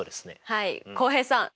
はい浩平さん